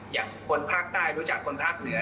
อย่างคนภาคใต้รู้จักคนภาคเหนือ